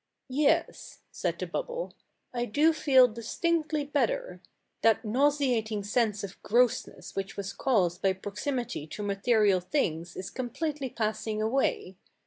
"Yes," said the bubble, "I do feel distinctly better. That nauseating sense of grossness which was caused by proximity to material things is completely passing away.